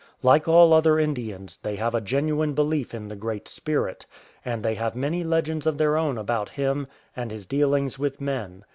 Like all other Indians, they have a genuine belief in the Great Spirit, and they have many legends of their own about Him and His dealings with men.